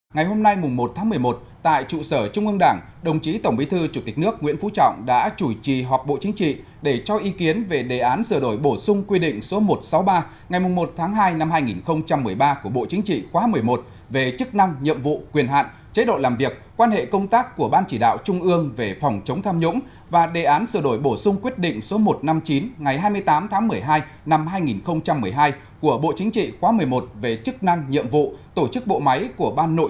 ngày hôm nay một tháng một mươi một tại trụ sở trung ương đảng đồng chí tổng bí thư chủ tịch nước nguyễn phú trọng đã chủ trì họp bộ chính trị để cho ý kiến về đề án sửa đổi bổ sung quy định số một trăm sáu mươi ba ngày một tháng hai năm hai nghìn một mươi ba của bộ chính trị khóa một mươi một về chức năng nhiệm vụ quyền hạn chế độ làm việc quan hệ công tác của ban chỉ đạo trung ương về phòng chống tham nhũng và đề án sửa đổi bổ sung quyết định số một trăm năm mươi chín ngày hai mươi tám tháng một mươi hai năm hai nghìn một mươi hai của bộ chính trị khóa một mươi một về chức năng nhiệm vụ tổ chức bộ máy của ban nội trưởng